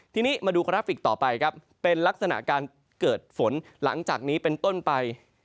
ทีนี้มาดูกราฟิกต่อไปครับเป็นลักษณะการเกิดฝนหลังจากนี้เป็นต้นไป